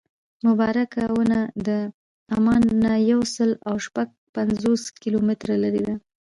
مبارکه ونه د عمان نه یو سل او شپږ پنځوس کیلومتره لرې ده.